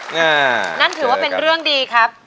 นั่นถือว่าเป็นเรื่องดีครับ